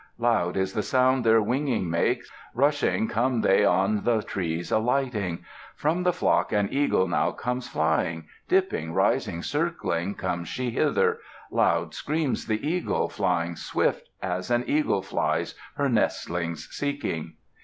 Loud is the sound their winging makes. Rushing, come they on the trees alighting. From the flock an eagle now comes flying; Dipping, rising, circling, comes she hither. Loud screams the eagle, flying swift, As an eagle flies, her nestlings seeking.